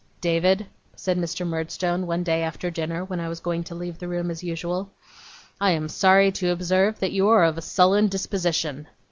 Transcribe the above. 'David,' said Mr. Murdstone, one day after dinner when I was going to leave the room as usual; 'I am sorry to observe that you are of a sullen disposition.